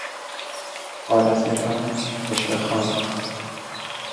پارهستان، رشوهخوار